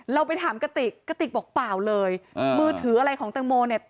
เราไปถามกระติกกระติกบอกเปล่าเลยมือถืออะไรของแตงโมเนี่ย